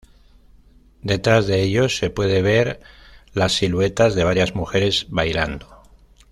Detrás de ellos se puede ver las siluetas de varias mujeres bailando.